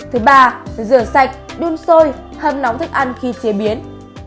thứ ba rửa sạch đun sôi hâm nóng thức ăn khi chế biến